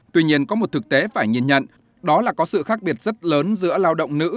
tuy nhiên có một thực tế phải nhìn nhận đó là có sự khác biệt rất lớn giữa lao động nữ